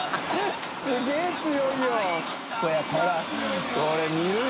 すげぇ強いよ。）